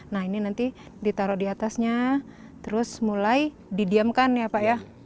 nah ini nanti ditaruh di atasnya terus mulai didiamkan ya pak ya